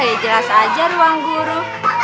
eh jelas aja ruang guru